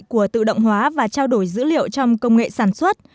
của tự động hóa và trao đổi dữ liệu trong công nghệ sản xuất